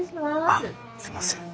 あっすいません。